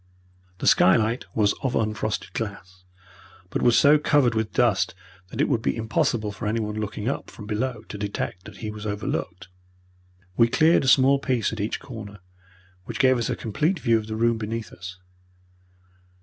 The skylight was of unfrosted glass, but was so covered with dust that it would be impossible for anyone looking up from below to detect that he was overlooked. We cleared a small piece at each corner, which gave us a complete view of the room beneath us.